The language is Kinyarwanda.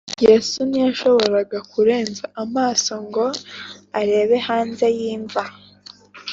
yesu ntiyashoboraga kurenza amaso ngo arebe hanze y’imva